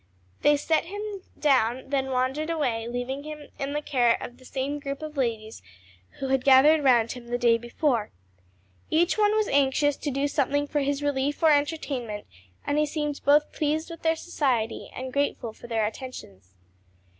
They set him down, then wandered away, leaving him in the care of the same group of ladies who had gathered round him the day before. Each one was anxious to do something for his relief or entertainment, and he seemed both pleased with their society and grateful for their attentions.